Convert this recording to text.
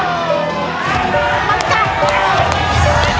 มันไก่